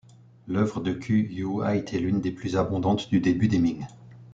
L'œuvre de Qu You a été l'une des plus abondantes du début des Ming.